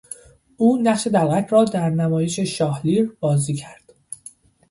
او نقش دلقک را در نمایش شاهلیر بازی کرد.